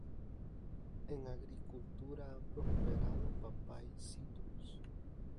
En agricultura han prosperado papa y citrus.